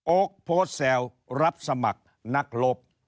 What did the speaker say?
โพสต์โพสต์แซวรับสมัครนักลบ